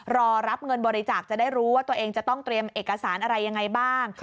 รอรับเงินบริจาคจะได้รู้ว่าตัวเองจะต้องเตรียมเอกสารอะไรยังไงบ้าง